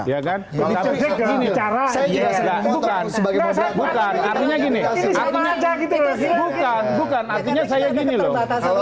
bukan artinya gini loh